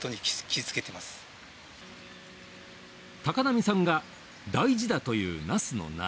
高波さんが大事だと言うナスの苗。